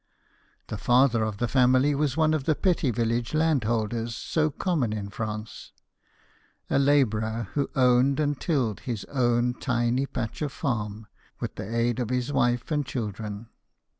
The father of the family was one of the petty village landholders so common in France ; a labourer who owned and tilled his own tiny patch of farm, with the aid of his wife and children.